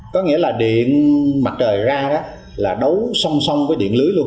có nghĩa là điện mặt trời ra là đấu song song với điện lưới